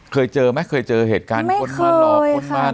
เคยเจอไหมเคยเจอเหตุการณ์คนมาหลอกคนมา